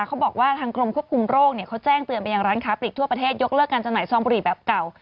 เขาบอกว่าทางกรมควบคุมโรคเขาแจ้งเตือนไปยังร้านค้าปลีกทั่วประเทศยกเลิกการจำหน่ายซองบุหรี่แบบเก่า